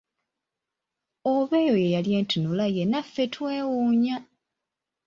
Oba eyo ye yali entunula ye naffe twewuunya!